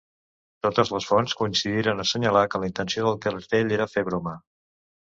Totes les fonts coincidiren a assenyalar que la intenció del cartell era fer broma.